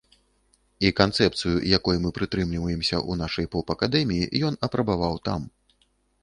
І канцэпцыю, якой мы прытрымліваемся ў нашай поп-акадэміі, ён апрабаваў там.